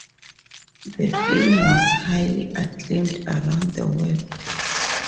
The film was highly acclaimed around the world.